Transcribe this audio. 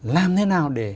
làm thế nào để